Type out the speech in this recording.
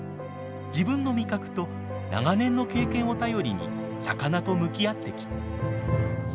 自分の味覚と長年の経験を頼りに魚と向き合ってきた。